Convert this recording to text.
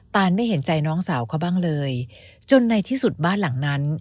นไม่เห็นใจน้องสาวเขาบ้างเลยจนในที่สุดบ้านหลังนั้น